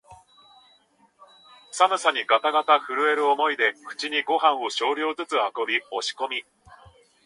寒さにがたがた震える思いで口にごはんを少量ずつ運び、押し込み、